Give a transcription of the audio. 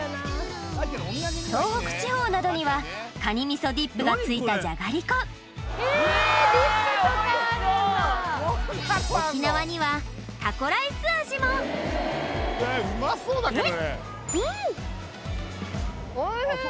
東北地方などにはカニみそディップがついたじゃがりこ沖縄にはタコライス味もで